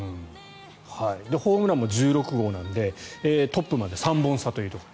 ホームランも１６号なのでトップまで３本差というところ。